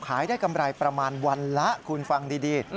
ขายได้กำไรประมาณวันละคุณฟังดี